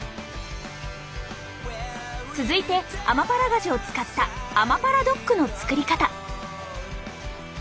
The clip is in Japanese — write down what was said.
続いてアマパラガジュを使ったアマパラドッグの作り方。